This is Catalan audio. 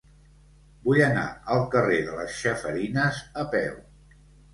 Vull anar al carrer de les Chafarinas a peu.